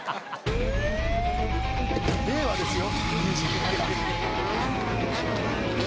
令和ですよ。